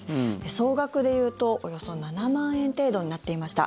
総額でいうとおよそ７万円程度になっていました。